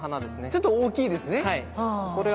ちょっと大きいですね。